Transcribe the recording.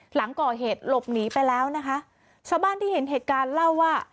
หลังก่อเหตุหลบหนีไปแล้วนะคะชาวบ้านที่เห็นเหตุการณ์เล่าว่า